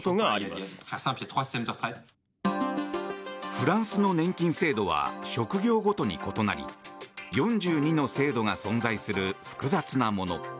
フランスの年金制度は職業ごとに異なり４２の制度が存在する複雑なもの。